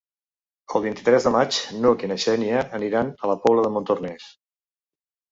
El vint-i-tres de maig n'Hug i na Xènia aniran a la Pobla de Montornès.